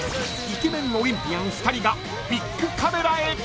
［イケメンオリンピアン２人がビックカメラへ］